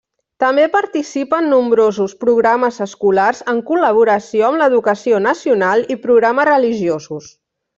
També participa en nombrosos programes escolars en col·laboració amb l'educació nacional i programes religiosos.